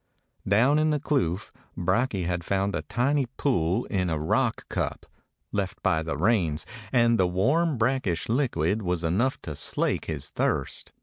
Down in the kloof Brakje had found a tiny pool in a rock cup, left by the rains; and the warm, brackish liquid was enough to slake his thirst.